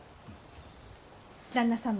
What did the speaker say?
旦那様